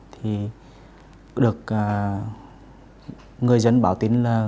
thì được người dân báo tin là có một đối tượng